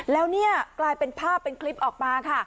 แล้วนี่กลายเป็นภาพเป็นคลิปออกมาค่ะ